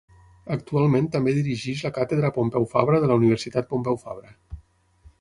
Actualment també dirigeix la Càtedra Pompeu Fabra de la Universitat Pompeu Fabra.